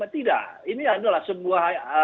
tidak ini adalah sebuah